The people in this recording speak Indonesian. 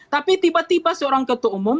tapi tiba tiba seorang ketua umum